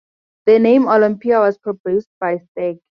The name "Olympia" was proposed by Stagg.